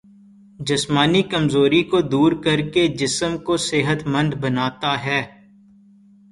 جسمانی کمزوری کو دور کرکے جسم کو صحت مند بناتا ہے